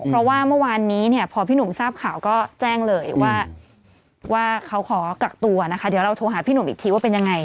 เพราะว่าเมื่อวานนี้เนี่ยพอพี่หนุ่มทราบข่าวก็แจ้งเลยว่าเขาขอกักตัวนะคะเดี๋ยวเราโทรหาพี่หนุ่มอีกทีว่าเป็นยังไง